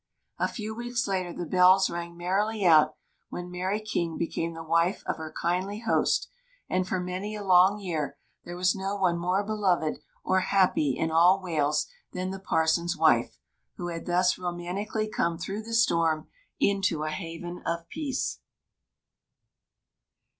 A few weeks later the bells rang merrily out when Mary King became the wife of her kindly host; and for many a long year there was no one more beloved or happy in all Wales than the parson's wife, who had thus romantically come through the storm into a haven of peace.